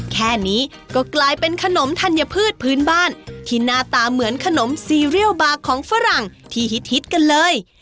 แค่นี้ก็กลายเป็นขนมธัญพืชพื้นบ้านที่หน้าตาเหมือนขนมซีเรียลบาร์ของฝรั่งที่ฮิตกันเลย